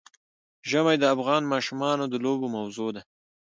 ژمی د افغان ماشومانو د لوبو موضوع ده.